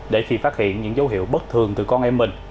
để khi phát hiện những dấu hiệu bất thường từ con em mình